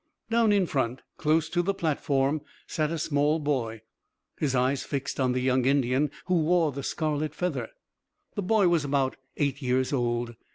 Down in front, close to the platform, sat a small boy, his eyes fixed on the young Indian who wore the scarlet feather. The boy was about eight years old.